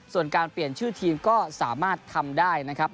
ส่วนการเปลี่ยนชื่อทีมก็สามารถทำได้นะครับ